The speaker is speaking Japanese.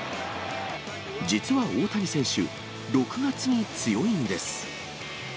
実は大谷選手、６月に強いんです。